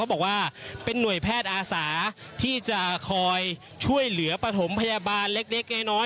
บอกว่าเป็นห่วยแพทย์อาสาที่จะคอยช่วยเหลือปฐมพยาบาลเล็กน้อย